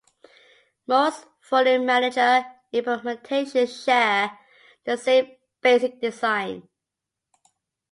Most volume-manager implementations share the same basic design.